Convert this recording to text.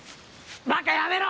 バカやめろ！